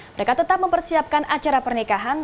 mereka tetap mempersiapkan acara pernikahan